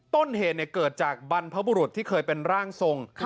ต้นเหตุเกิดจากบรรพบุรุษที่เคยเป็นร่างทรง